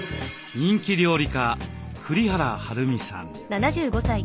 人気料理家栗原はるみさん。